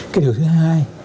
cái điều thứ hai